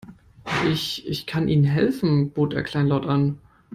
Ich, ich kann Ihnen helfen, bot er kleinlaut an.